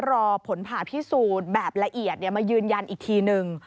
รอผลผ่าพิสูจน์แบบละเอียดมายืนยันอีกทีนึง